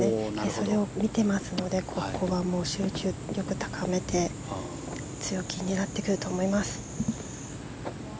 それを見てますのでここは集中力を高めて強気になってくると思います。